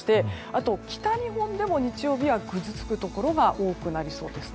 あと北日本でも日曜日はぐずつくところが多くなりそうです。